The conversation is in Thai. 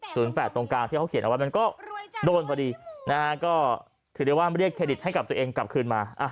เดี๋ยวมาเจ็บใจขับเจ๊าะ